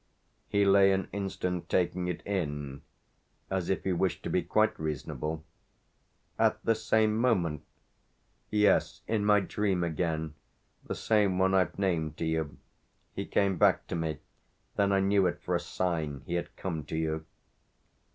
He lay an instant taking it in as if he wished to be quite reasonable. "At the same moment?" "Yes in my dream again, the same one I've named to you. He came back to me. Then I knew it for a sign. He had come to you."